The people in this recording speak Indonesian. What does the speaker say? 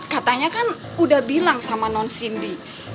katanya kan udah bilang sama nonsindi